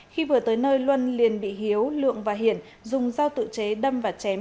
khi vừa tới nơi luân liền bị hiếu lượng và hiển dùng dao tự chế đâm và chém